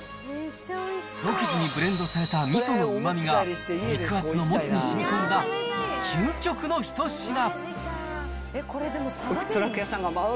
独自にブレンドされたみそのうまみが、肉厚のもつにしみ込んだ、究極の一品。